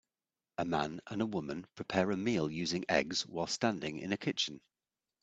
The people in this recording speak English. A man and a woman prepare a meal using eggs while standing in a kitchen.